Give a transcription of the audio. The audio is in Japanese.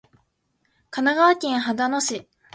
神奈川県秦野市